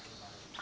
あ。